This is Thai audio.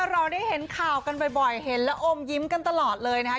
เราได้เห็นข่าวกันบ่อยเห็นแล้วอมยิ้มกันตลอดเลยนะคะ